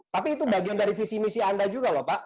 tapi itu bagian dari visi misi anda juga loh pak